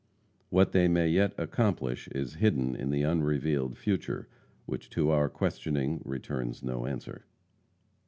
What they may yet accomplish is hidden in the unrevealed future, which to our questioning returns no answer.